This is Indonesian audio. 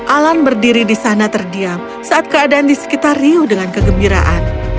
alan berdiri di sana terdiam saat keadaan di sekitar riuh dengan kegembiraan